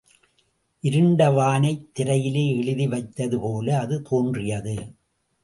இருண்டவானத் திரையிலே எழுதி வைத்தது போல அது தோன்றியது.